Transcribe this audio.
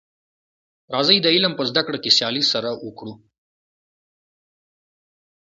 راځی د علم په زده کړه کي سیالي سره وکړو.